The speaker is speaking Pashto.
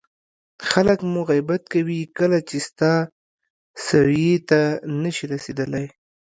خلک مو غیبت کوي کله چې ستا سویې ته نه شي رسېدلی.